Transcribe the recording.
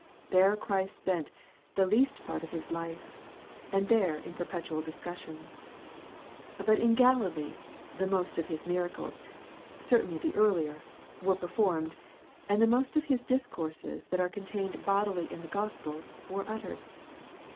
There Christ spent the least part of his life, and that in perpetual discussions. But in Galilee the most of his miracles, certainly the earlier, were performed, and the most of his discourses that are contained bodily in the gospels were uttered.